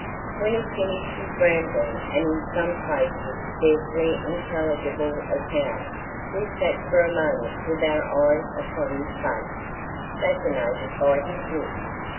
When he finished his rambling and in some places scarcely intelligible account, we sat for a moment with our eyes upon his face, fascinated by his look.